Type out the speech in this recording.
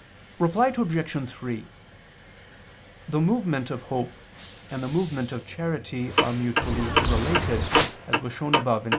Reply Obj. 3: The movement of hope and the movement of charity are mutually related, as was shown above (Q.